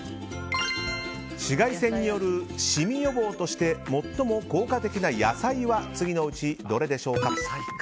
紫外線によるシミ予防として最も効果的な野菜は次のうちどれでしょうか？